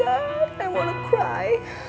aku mau menangis